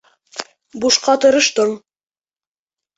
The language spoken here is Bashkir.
Бушҡа тырыштың.